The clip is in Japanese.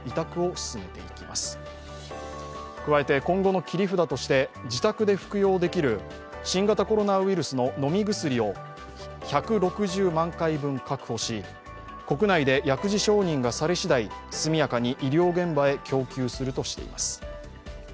加えて今後の切り札として自宅で服用できる新型コロナウイルスの飲み薬を１６０万回分確保し、国内で薬事承認がされ次第、速やかに医療現場へ供給するとしています。